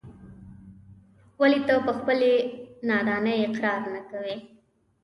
ولې ته په خپلې نادانۍ اقرار نه کوې.